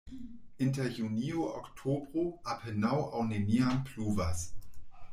Inter junio-oktobro apenaŭ aŭ neniam pluvas.